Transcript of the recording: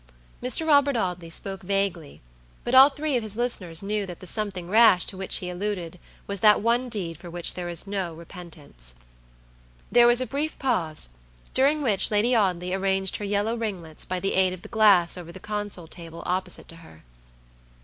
Mr. Robert Audley spoke vaguely, but all three of his listeners knew that the something rash to which he alluded was that one deed for which there is no repentance. There was a brief pause, during which Lady Audley arranged her yellow ringlets by the aid of the glass over the console table opposite to her.